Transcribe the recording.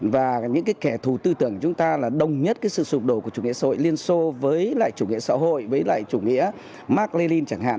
và những cái kẻ thù tư tưởng của chúng ta là đồng nhất cái sự sụp đổ của chủ nghĩa xã hội liên xô với lại chủ nghĩa xã hội với lại chủ nghĩa mark lenin chẳng hạn